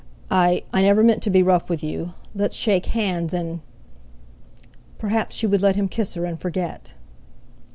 I—I never meant to be rough with you! Let's shake hands—and—" Perhaps she would let him kiss her, and forget!